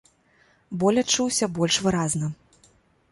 Боль адчуўся больш выразна.